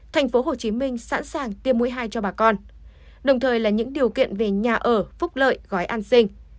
tp hcm sẵn sàng tiêm mũi hai cho bà con đồng thời là những điều kiện về nhà ở phúc lợi gói an sinh